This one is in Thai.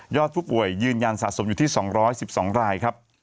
ผู้ป่วยยืนยันสะสมอยู่ที่๒๑๒รายครับ